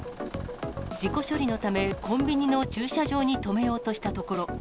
事故処理のため、コンビニの駐車場に止めようとしたところ。